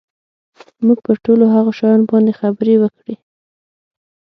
موږ پر ټولو هغو شیانو باندي خبري وکړې.